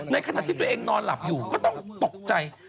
ในขณะที่ตัวเองนอนหลับอยู่ก็ต้องตกใจ